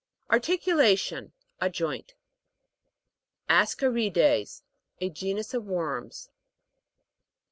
ARTICULA'TION. A joint. ASCA'RIDES. A genus of worms.